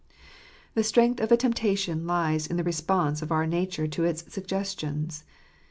The strength of a temptation lies in the response of our nature to its suggestions.